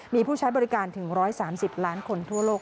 มีผู้ใช้บริการถึง๑๓๐ล้านคนทั่วโลก